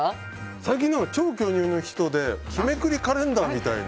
最近は、超巨乳の人で日めくりカレンダーみたいなので。